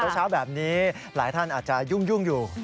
เช้าแบบนี้หลายท่านอาจจะยุ่งอยู่